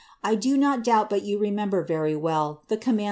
I do not doubt bat you remember very well the command?